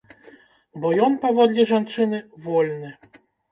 Бо ён, паводле жанчыны, вольны.